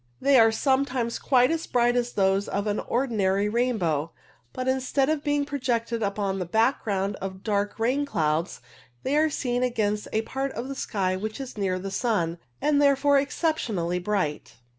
They are 24 CIRRUS sometimes quite as bright as those of an ordinary rainbow, but instead of being projected upon a background of dark rain clouds, they are seen against a part of the sky which is near the sun, and there fore exceptionally bright.